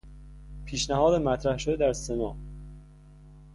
پیشنهاد مطرح شده در سنا